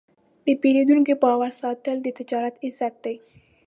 د پیرودونکي باور ساتل د تجارت عزت دی.